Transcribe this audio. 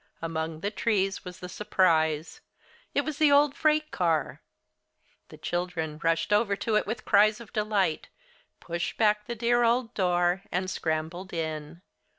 Among the trees was the surprise. It was the old freight car! The children rushed over to it with cries of delight, pushed back the dear old door, and scrambled in.